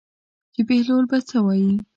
چې بهلول به څه وایي.